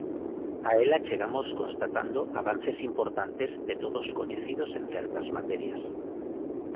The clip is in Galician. A ela chegamos constatando avances importantes de todos coñecidos en certas materias.